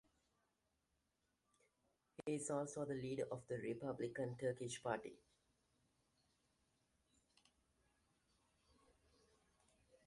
He is also the leader of the Republican Turkish Party.